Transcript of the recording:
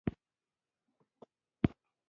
زما لیک سم شوی.